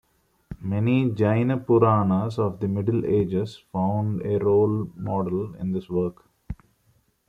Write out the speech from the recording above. Many Jaina Puranas of the Middle Ages found a role model in this work.